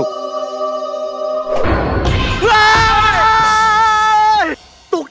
ผมอร่อย